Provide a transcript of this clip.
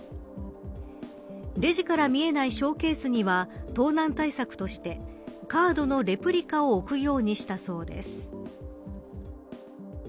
レジから見えないショーケースには盗難対策としてカードのレプリカを置くようにしたそうです。